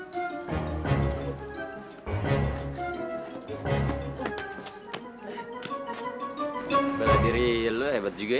bela diri lo hebat juga ya